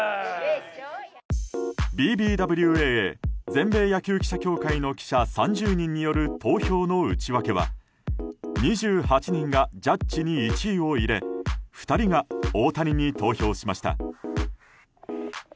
ＢＢＷＡＡ・全米野球記者協会の記者３０人による投票の内訳は２８人がジャッジに１位を入れ２人が大谷に投票しました。